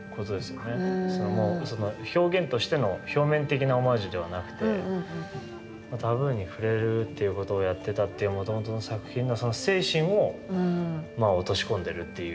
そのもう表現としての表面的なオマージュではなくてタブーに触れるっていうことをやってたっていうもともとの作品のその精神をまあ落とし込んでるっていう。